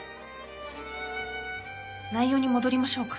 内容に戻りましょうか。